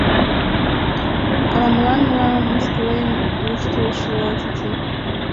Ала-молан мылам мыскылен воштылшыла чучо.